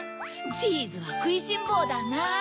チーズはくいしんぼうだな！